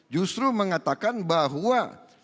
justru mengatakan bahwa